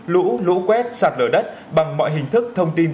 lũ lũ quét sạt lở đất bằng mọi hình thức thông tin